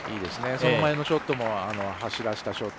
その前のショットも走らせたショット